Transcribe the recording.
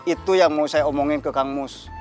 itu yang mau saya omongin ke kang mus